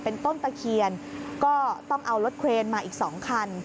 เป็นต้นตะเคียนก็ต้องเอารถเครนมาอีก๒คัน